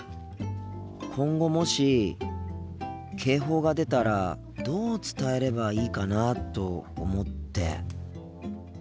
今後もし警報が出たらどう伝えればいいかなと思って。